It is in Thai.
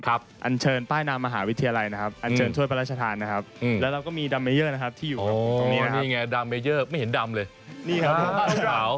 ครับและเราก็มีนะครับนี่ครับดรามยังไงไม่เห็นดรามเลยนี่ครับ